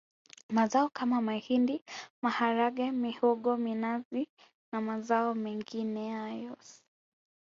Mazao kama mahindi maharage mihogo minazi na mazao mengineyoâŠ